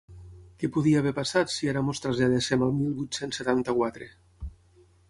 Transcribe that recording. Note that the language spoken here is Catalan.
Què podia haver passat si ara ens traslladéssim al mil vuit-cents setanta-quatre?